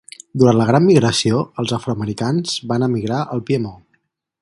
Durant la Gran Migració, els afroamericans van emigrar al Piemont.